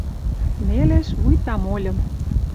Нелеш, вуйта мольым.